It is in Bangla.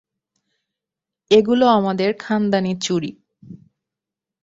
এগুলো আমাদের খানদানি চুড়ি।